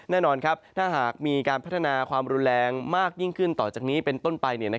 แน่นอนครับถ้าหากมีการพัฒนาความรุนแรงมากยิ่งขึ้นต่อจากนี้เป็นต้นไป